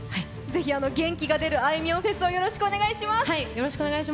ぜひ元気が出るあいみょんフェスをよろしくお願いします。